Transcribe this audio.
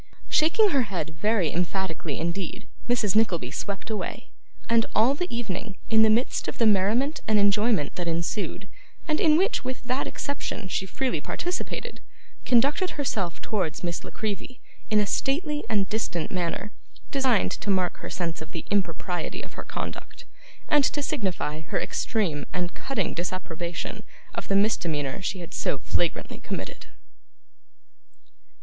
Shaking her head very emphatically indeed, Mrs. Nickleby swept away; and all the evening, in the midst of the merriment and enjoyment that ensued, and in which with that exception she freely participated, conducted herself towards Miss La Creevy in a stately and distant manner, designed to mark her sense of the impropriety of her conduct, and to signify her extreme and cutting disapprobation of the misdemeanour she had so flagrantly committed.